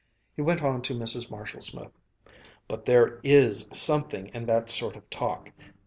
He went on to Mrs. Marshall Smith: "But there is something in that sort of talk.